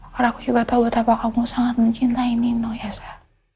karena aku juga tahu betapa kamu sangat mencintai nino ya sa